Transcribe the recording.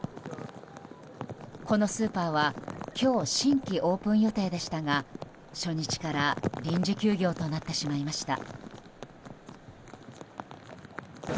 このスーパーは今日、新規オープン予定でしたが初日から臨時休業となってしまいました。